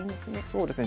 そうですね。